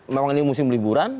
memang ini musim liburan